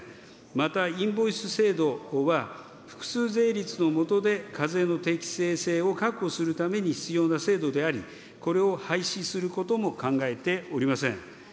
また、インボイス制度は複数税率のもとで、課税の適正性を確保するために必要な制度であり、これを廃止することも考えておりません。